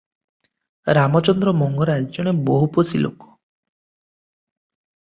ରାମଚନ୍ଦ୍ର ମଙ୍ଗରାଜେ ଜଣେ ବହୁପୋଷୀ ଲୋକ ।